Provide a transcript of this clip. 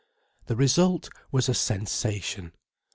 The result was a sensation.